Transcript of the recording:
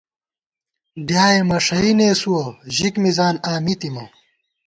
ڈیائےمݭَئ نېسُوَہ، ژِک مِزان آں مِی تِمہ